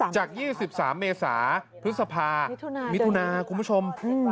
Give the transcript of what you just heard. จาก๒๓เมษาพฤษภามิถุนาคุณผู้ชม